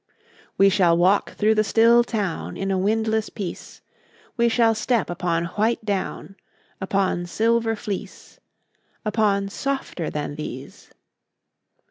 We shall walk through the still town In a windless peace; We shall step upon white down, Upon silver fleece, Upon softer than these.